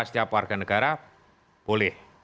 setiap warga negara boleh